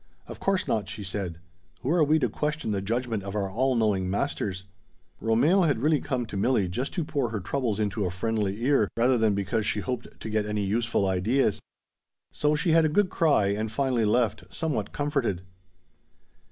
"Of course not!" she said. "Who are we to question the judgment of our all knowing masters?" Romehl had really come to Milli just to pour her troubles into a friendly ear, rather than because she hoped to get any helpful ideas. So she had a good cry, and finally left, somewhat comforted.